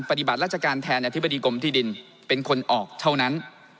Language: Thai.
ปฏิบัติราชการแทนอธิบดีกรมที่ดินเป็นคนออกเท่านั้น